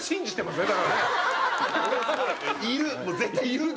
いる。